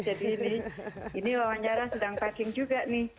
jadi ini lawan jarak sedang packing juga nih